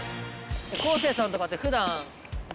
昴生さんとかって普段。